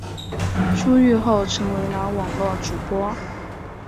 出狱后成为了网络主播。